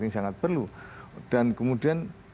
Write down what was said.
ini sangat perlu dan kemudian